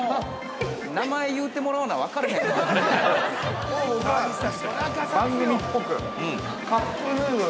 ◆名前言うてもらわな分からへんわ。